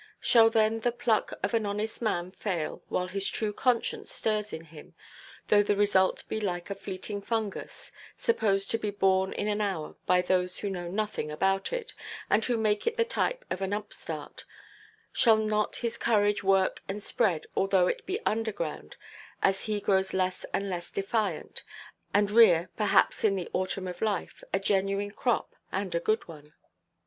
Shall then the pluck of an honest man fail, while his true conscience stirs in him, though the result be like a fleeting fungus, supposed to be born in an hour by those who know nothing about it, and who make it the type of an upstart—shall not his courage work and spread, although it be underground, as he grows less and less defiant; and rear, perhaps in the autumn of life, a genuine crop, and a good one?